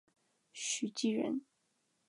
徐积人。